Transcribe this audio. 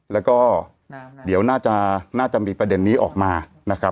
แล้วก็เดี๋ยวน่าจะมีประเด็นนี้ออกมานะครับ